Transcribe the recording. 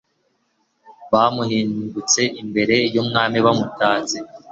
Bamuhingutsa imbere y’umwami bamutatse